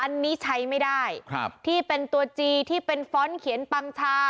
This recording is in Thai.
อันนี้ใช้ไม่ได้ครับที่เป็นตัวจีที่เป็นฟ้อนต์เขียนปังชา